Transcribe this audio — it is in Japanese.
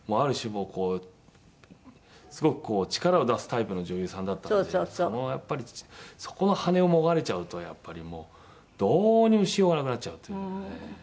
もうこうすごくこう力を出すタイプの女優さんだったのでそこの羽をもがれちゃうとやっぱりもうどうにもしようがなくなっちゃうっていうね。